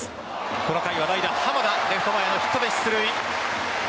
この回は代打・濱田レフト前へのヒットで出塁。